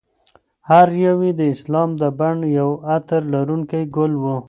هر یو یې د اسلام د بڼ یو عطر لرونکی ګل و.